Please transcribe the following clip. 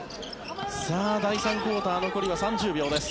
第３クオーター残りは３０秒です。